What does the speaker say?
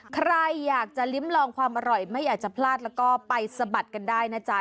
ใครอยากจะลิ้มลองความอร่อยไม่อยากจะพลาดแล้วก็ไปสะบัดกันได้นะจ๊ะ